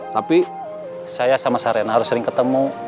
tapi saya sama sarena harus sering ketemu